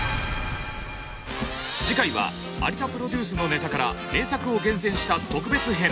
次回は有田プロデュースのネタから名作を厳選した特別編。